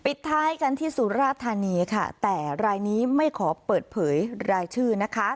ท้ายกันที่สุราธานีค่ะแต่รายนี้ไม่ขอเปิดเผยรายชื่อนะคะ